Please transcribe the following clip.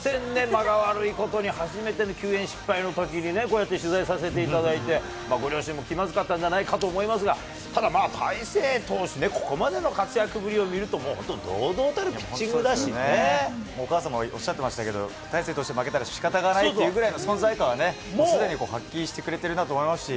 間が悪いことに、初めての球宴失敗のときにね、こうやって取材させていただいて、ご両親も気まずかったんじゃないかと思いますが、ただまあ、大勢投手ね、ここまでの活躍ぶりを見ると本当に堂々たるピッチンお母様、おっしゃってましたけど、大勢投手、負けたらしかたがないっていうぐらいの存在感はすでに発揮してくれてると思いますし。